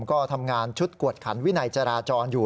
ก็ทำงานชุดกวดขันวินัยจราจรอยู่